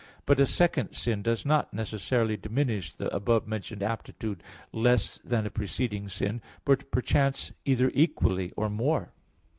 But a second sin does not necessarily diminish the above mentioned aptitude less than a preceding sin, but perchance either equally or more.